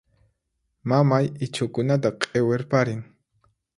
Mamay ichhukunata q'iwirparin.